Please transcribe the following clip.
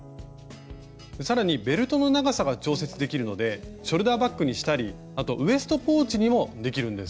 更にベルトの長さが調節できるのでショルダーバッグにしたりあとウエストポーチにもできるんです。